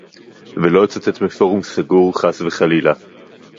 ולא אצטט מפורום סגור, חס וחלילה